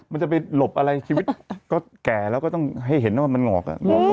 มันจะไปหลบอะไรชีวิตก็แก่แล้วก็ต้องให้เห็นว่ามันหงอก